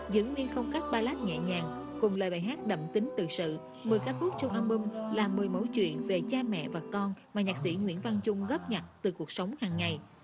giữ nguyên không cách ballad nhẹ nhàng cùng lời bài hát đậm tính tự sự một mươi khá khúc trong album là một mươi mẫu chuyện về cha mẹ và con mà nhạc sĩ nguyễn văn trung góp nhặt từ cuộc sống hàng ngày